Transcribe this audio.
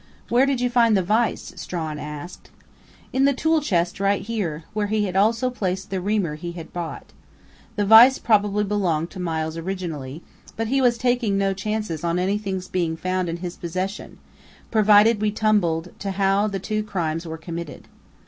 "Where did you find the vise?" Strawn asked. "In the tool chest right here, where he had also placed the reamer he had bought. The vise probably belonged to Miles originally, but he was taking no chances on anything's being found in his possession, provided we tumbled to how the two crimes were committed....